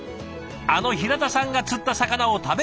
あの平田さんが釣った魚を食べるため。